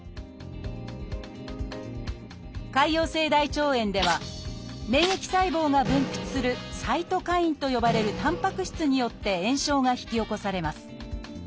潰瘍性大腸炎では免疫細胞が分泌する「サイトカイン」と呼ばれるたんぱく質によって炎症が引き起こされます。